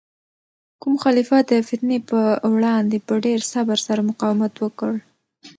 کوم خلیفه د فتنې په وړاندې په ډیر صبر سره مقاومت وکړ؟